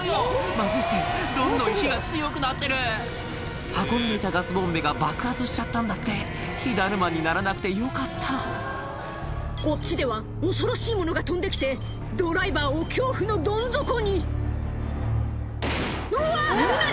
まずいってどんどん火が強くなってる運んでいたガスボンベが爆発しちゃったんだって火だるまにならなくてよかったこっちでは恐ろしいものが飛んできてドライバーを恐怖のどん底にうわ何？